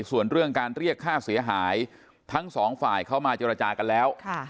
ส่วนเรื่องการเรียกค่าเสียหายทั้งสองฝ่ายเข้ามาเจรจากันแล้ว